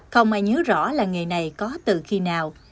không ai nhớ rõ làng nghề này có từ khi nào